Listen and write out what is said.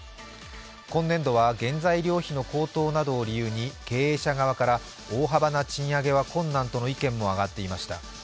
今年度は原材料費の高騰などを理由に経営者側から大幅な賃上げは困難との意見も上がっていました。